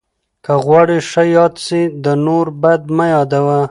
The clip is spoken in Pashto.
که غواړې ښه یاد سې، د نور بد مه یاد وه.